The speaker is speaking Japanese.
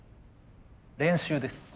練習です。